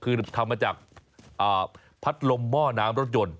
คือทำมาจากพัดลมหม้อน้ำรถยนต์